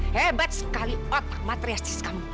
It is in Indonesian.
hebat sekali otak materialistis kamu